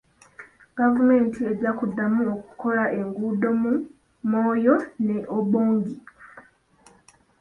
Gavumenti ejja kuddamu okukola enguudo mu Moyo ne Obongi.